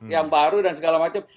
yang baru dan segala macam